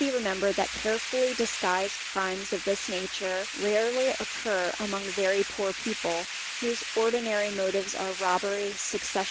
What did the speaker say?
4400 remembered that carefully disguised crimes of this nature rarely occur ymong very poor people, whose ordinary motives are robbery, succession OS Le ADO LR BEF.